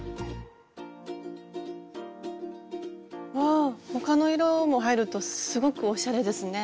あ他の色も入るとすごくおしゃれですね。